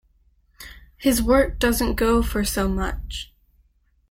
His work doesn't go for so much.